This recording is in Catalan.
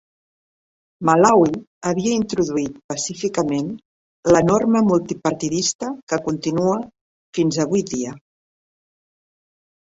Malawi havia introduït pacíficament la norma multipartidista que continua fins avui dia.